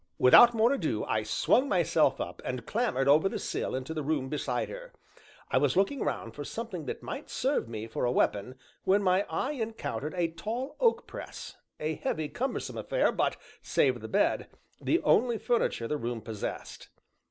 Without more ado I swung myself up, and clambered over the sill into the room beside her. I was looking round for something that might serve me for a weapon, when my eye encountered a tall oak press, a heavy, cumbersome affair, but, save the bed, the only furniture the room possessed.